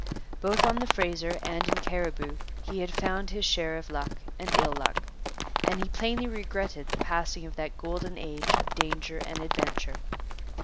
Both on the Fraser and in Cariboo he had found his share of luck and ill luck; and he plainly regretted the passing of that golden age of danger and adventure.